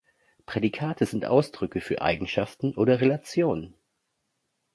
Prädikate sind Ausdrücke für Eigenschaften oder Relationen.